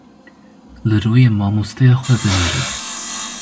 Li rûyê mamosteya xwe binêrin.